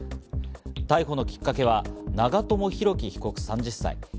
逮捕のきっかけは長友寿樹被告３０歳。